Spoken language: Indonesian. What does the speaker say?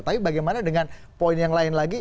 tapi bagaimana dengan poin yang lain lagi